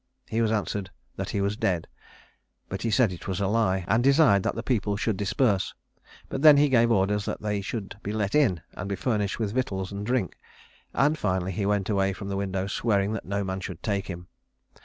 He was answered that he was dead; but he said it was a lie, and desired that the people should disperse; but then he gave orders that they should be let in and be furnished with victuals and drink, and finally he went away from the window swearing that no man should take him.